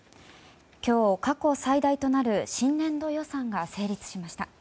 今日、過去最大となる新年度予算が成立しました。